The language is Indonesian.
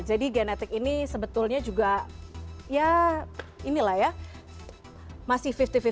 genetik ini sebetulnya juga ya inilah ya masih lima puluh lima puluh